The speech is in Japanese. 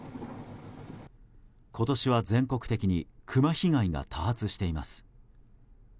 今年は全国的にクマ被害が多発しています。